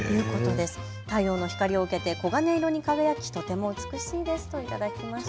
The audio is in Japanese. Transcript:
太陽の光を受けて黄金色に輝きとても美しいですと頂きました。